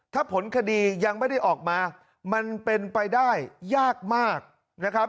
ถ้าผลคดียังไม่ได้ออกมามันเป็นไปได้ยากมากนะครับ